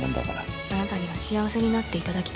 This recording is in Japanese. あなたには幸せになっていただきたかった。